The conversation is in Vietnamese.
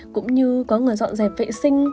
cũng như có người dọn dẹp vệ sinh